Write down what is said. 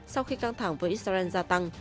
sau khi căng thẳng với israel gia tăng